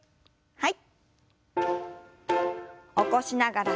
はい。